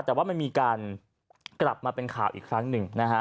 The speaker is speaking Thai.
แต่ว่ามันมีการกลับมาเป็นข่าวอีกครั้งหนึ่งนะฮะ